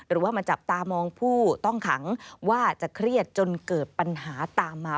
หรือว่ามาจับตามองผู้ต้องขังว่าจะเครียดจนเกิดปัญหาตามมา